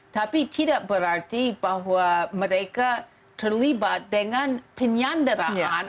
tapi tidak berarti bahwa mereka terlibat dengan penyanderaan